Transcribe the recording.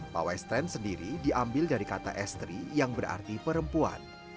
pawestren sendiri di ambil dari kata estri yang berarti perempuan